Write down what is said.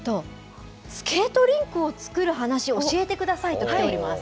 スケートリンクを作る話、教えてくださいと来ております。